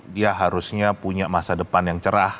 dia harusnya punya masa depan yang cerah